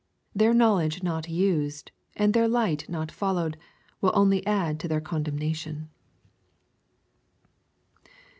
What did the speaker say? Their knowledge not used, and their light not followed, will only add to their condemnation.